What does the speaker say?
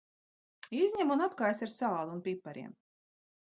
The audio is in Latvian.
Izņem un apkaisi ar sāli un pipariem.